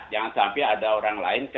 jangan sampai ada orang lain kena virus